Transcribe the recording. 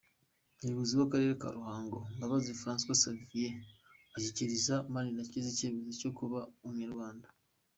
Umuyobozi w’akarere ka Ruhango, Mbabazi Francois Xavier, ashyikiriza Manirakiza icyemezo cyo kuba Umunyarwanda.